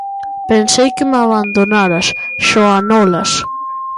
–Pensei que me abandonaras, Xoanolas.